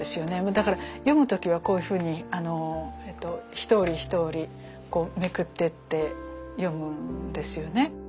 だから読む時はこういうふうに一折り一折りこうめくってって読むんですよね。